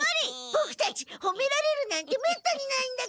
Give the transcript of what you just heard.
ボクたちほめられるなんてめったにないんだから。